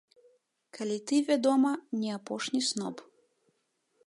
Калі ты, вядома, не апошні сноб.